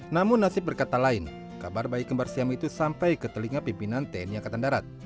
namun nasib berkata lain kabar bayi kembar siam itu sampai ke telinga pimpinan tni angkatan darat